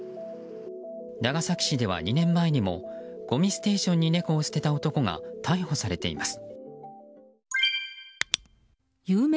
長崎市では２年前にもごみステーションに猫を捨てた男が逮捕されています。